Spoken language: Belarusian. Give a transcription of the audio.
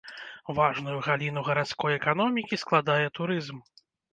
Важную галіну гарадской эканомікі складае турызм.